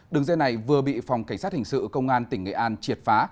đường dây này vừa bị phòng cảnh sát hình sự công an tỉnh nghệ an triệt phá